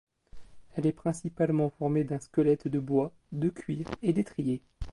Elle est principalement formée d'un squelette de bois, de cuirs et d'étriers.